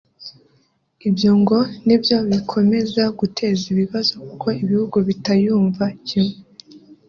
Ibyo ngo ni byo bikomeza guteza ibibazo kuko ibihugu bitayumva kimwe